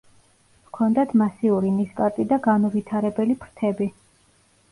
ჰქონდათ მასიური ნისკარტი და განუვითარებელი ფრთები.